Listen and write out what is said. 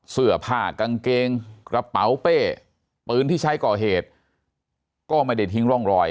เสื้อผ้ากางเกงกระเป๋าเป้ปืนที่ใช้ก่อเหตุก็ไม่ได้ทิ้งร่องรอย